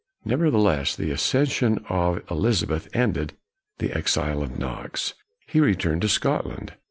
Nevertheless, the accession of Elizabeth ended the exile of Knox. He returned to Scotland.